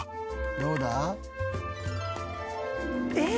どうだ？えっ！